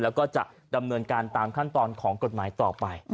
แล้วก็จะดำเนินการตามขั้นตอนของกฎหมายต่อไป